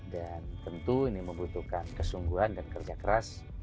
dan tentu ini membutuhkan kesungguhan dan kerja keras